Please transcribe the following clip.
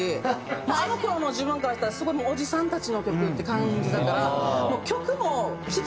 あの頃の自分からしたらすごいおじさんたちの曲って感じだから。